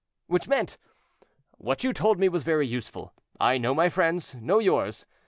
Which meant, "What you told me was very useful; I know my friends; know yours.